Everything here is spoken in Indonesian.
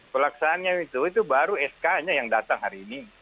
pelaksanaannya itu itu baru sk nya yang datang hari ini